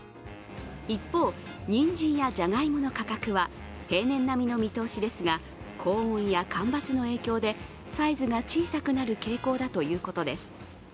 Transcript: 一方、にんじんやじゃがいもの価格は平年並みの見通しですが、高温や干ばつの影響でサイズが小さくなる傾向だということです。